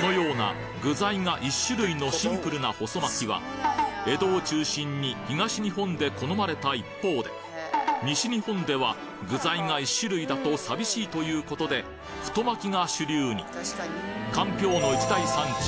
このような具材が１種類のシンプルな細巻きは江戸を中心に東日本で好まれた一方で西日本では具材が１種類だと寂しいということで太巻きが主流にかんぴょうの一大産地